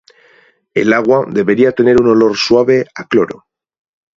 El agua debería tener un olor suave a cloro.